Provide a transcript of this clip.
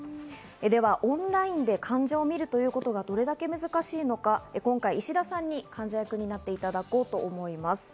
ではオンラインで患者を診るということがどれだけ難しいのか、今回、石田さんに患者役になっていただこうと思います。